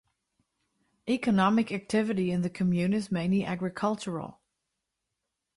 Economic activity in the commune is mainly agricultural.